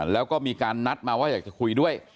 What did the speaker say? แล้วก็มีการนัดมาว่าอยากจะคุยด้วย